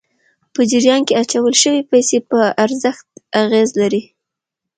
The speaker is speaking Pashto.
په جریان کې اچول شويې پیسې په ارزښت اغېز لري.